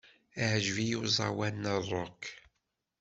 Iεǧeb-iyi uẓawan n rock.